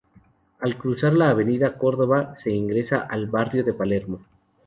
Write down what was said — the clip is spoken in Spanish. Al cruzar la Avenida Córdoba se ingresa al barrio de Palermo.